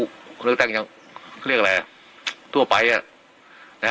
ก็เหมือนการเลือกตั้ง